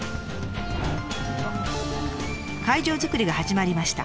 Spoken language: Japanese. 会場作りが始まりました。